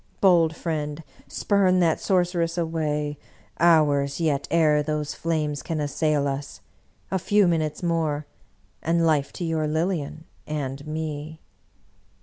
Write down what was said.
Bold friend, spurn that sorceress away. Hours yet ere those flames can as sail us ! A few minutes more, and life to your Lilian and me!"